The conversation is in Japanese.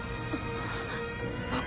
あっ。